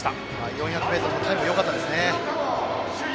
４００ｍもタイムよかったです。